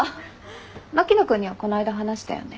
牧野君にはこないだ話したよね。